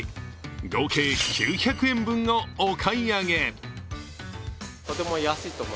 合計９００円分をお買い上げ。